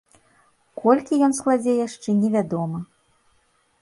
Колькі ён складзе яшчэ невядома.